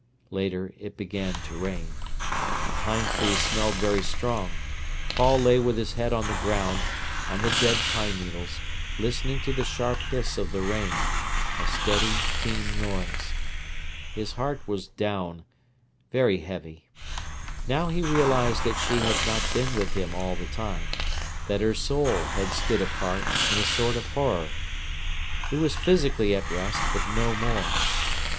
Later it began to rain. The pine trees smelled very strong. Paul lay with his head on the ground, on the dead pine needles, listening to the sharp hiss of the rain—a steady, keen noise. His heart was down, very heavy. Now he realised that she had not been with him all the time, that her soul had stood apart, in a sort of horror. He was physically at rest, but no more.